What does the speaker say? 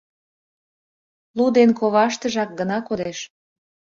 Лу ден коваштыжак гына кодеш.